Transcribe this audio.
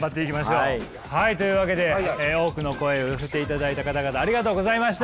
というわけで多くの声を寄せていただいた方々ありがとうございました。